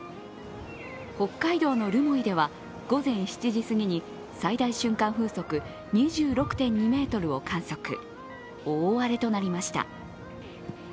北海道の留萌では午前７時すぎに最大瞬間風速２６．２メートルを観測、大荒れとなりました。